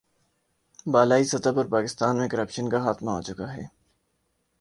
بالائی سطح پر پاکستان میں کرپشن کا خاتمہ ہو چکا ہے۔